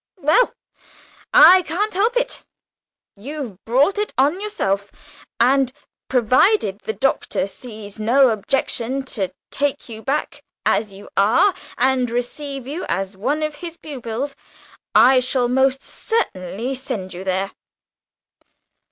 "Well, I can't help it. You've brought it on yourself; and, provided the Doctor sees no objection to take you back as you are and receive you as one of his pupils, I shall most certainly send you there."